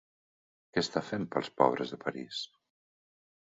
Què està fent pels pobres de París?